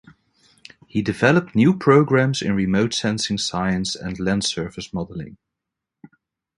He developed new programs in remote sensing science and land surface modeling.